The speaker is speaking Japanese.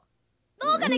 「どうかね？